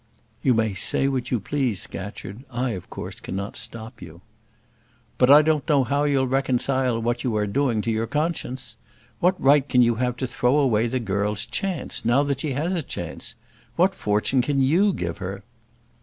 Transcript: "You may say what you please, Scatcherd: I of course cannot stop you." "But I don't know how you'll reconcile what you are doing to your conscience. What right can you have to throw away the girl's chance, now that she has a chance? What fortune can you give her?"